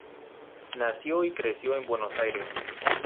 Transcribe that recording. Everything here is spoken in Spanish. Nació y creció en Buenos Aires.